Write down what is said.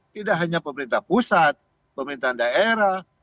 tidak hanya pemerintah pusat pemerintahan daerah